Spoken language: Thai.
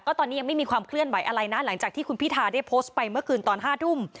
ตอนนี้ยังไม่มีความเคลื่อนไหวอะไรนะหลังจากที่คุณพิธาได้โพสต์ไปเมื่อคืนตอน๕ทุ่ม